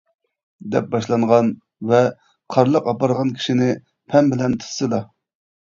دەپ باشلانغان ۋە: قارلىق ئاپارغان كىشىنى پەم بىلەن تۇتسىلا.